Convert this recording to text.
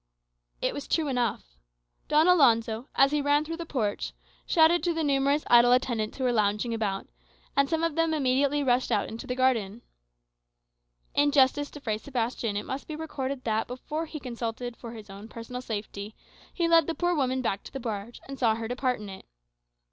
It was true enough. Don Alonzo, as he ran through the porch, shouted to the numerous idle attendants who were lounging about, and some of them immediately rushed out into the garden. In justice to Fray Sebastian, it must be recorded, that before he consulted for his personal safety, he led the poor woman back to the barge, and saw her depart in it.